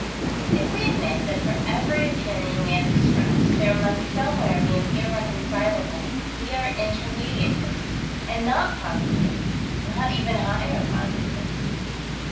If we admit that for every opinion we have expressed, there must somewhere be an irreconcilable, we are Intermediatists and not positivists; not even higher positivists.